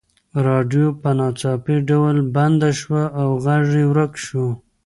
راډیو په ناڅاپي ډول بنده شوه او غږ یې ورک شو.